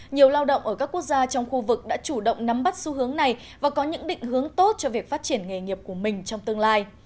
nhiều lao động ở các quốc gia trong khu vực đã chủ động nắm bắt xu hướng này và có những định hướng tốt cho việc phát triển nghề nghiệp của mình trong tương lai